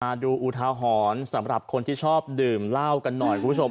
อุทาหรณ์สำหรับคนที่ชอบดื่มเหล้ากันหน่อยคุณผู้ชม